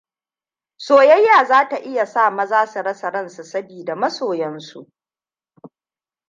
Soyayya za ta iya sa maza su rasa ransu sabida masoyansu.